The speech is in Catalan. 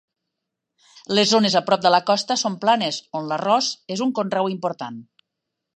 Les zones a prop de la costa són planes, on l'arròs és un conreu important.